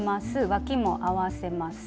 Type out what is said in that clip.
わきも合わせます。